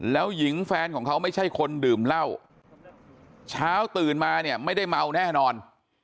แล้วหญิงแฟนของเขาไม่ใช่คนดื่มเหล้าเช้าตื่นมาเนี่ยไม่ได้เมาแน่นอน